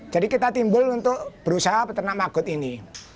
jadi kita timbul untuk berusaha peternak magot ini